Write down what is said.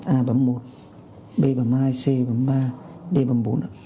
a bấm một b bấm hai c bấm ba d bấm bốn